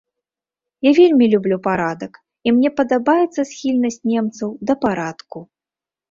Я вельмі люблю парадак і мне падабаецца схільнасць немцаў да парадку.